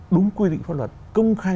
đúng quy định pháp luật công khai